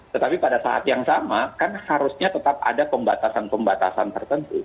tetapi pada saat yang sama kan harusnya tetap ada pembatasan pembatasan tertentu